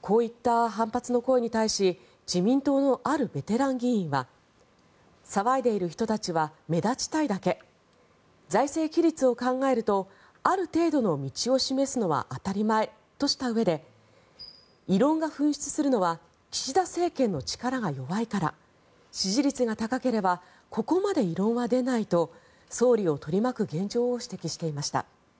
こういった反発の声に対し自民党のあるベテラン議員は騒いでいる人たちは目立ちたいだけ財政規律を考えるとある程度の道を示すのは当たり前としたうえで異論が噴出するのは岸田政権の力が弱いから支持率が高ければここまで異論は出ないと総理を取り巻く現状を指摘していました。